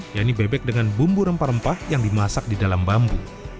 yaitu bebek dengan bumbu rempah rempah yang dimasak di dalam bambu